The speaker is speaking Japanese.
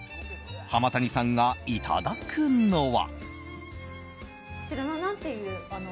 浜谷さんがいただくのは。